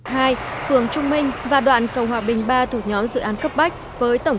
phường trung minh và đoạn cầu hòa bình ba thuộc nhóm dự án cấp bách với tổng